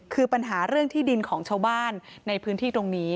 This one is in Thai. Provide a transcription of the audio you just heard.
คือปัญหาเรื่องที่ดินของชาวบ้านในพื้นที่ตรงนี้